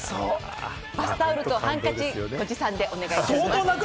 バスタオルとハンカチ持参でお願いいたします。